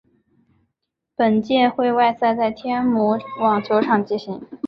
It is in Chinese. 本届会外赛在天母网球场进行。